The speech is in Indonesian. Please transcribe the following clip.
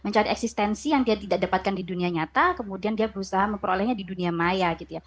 mencari eksistensi yang dia tidak dapatkan di dunia nyata kemudian dia berusaha memperolehnya di dunia maya gitu ya